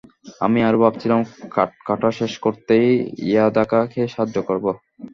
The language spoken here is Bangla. আমি আরো ভাবছিলাম, কাঠ কাটা শেষ করতে ইয়াদাকা কে সাহায্য করব।